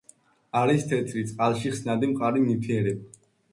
არის თეთრი, წყალში ხსნადი, მყარი ნივთიერება.